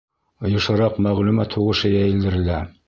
Йышыраҡ мәғлүмәт һуғышы йәйелдерелә.